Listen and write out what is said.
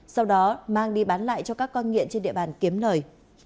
sau đó mang đi bán lại cho các con nghiện trên địa bàn kiếm lời